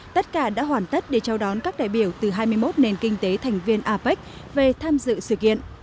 tất cả đã hoàn tất để chào đón các đại biểu từ hai mươi một nền kinh tế thành viên apec về tham dự sự kiện